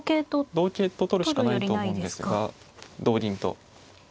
同桂と取るしかないと思うんですが同銀と。